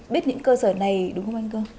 biết những cơ sở này đúng không anh cương